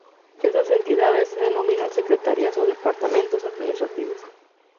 Estas entidades se denominan secretarías o departamentos administrativos.